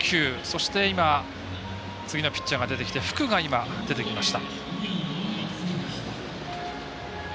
そして次のピッチャーが出てきて福が、出てきました。